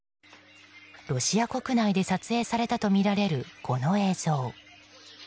ロシア国内で撮影されたとみられるこの映像。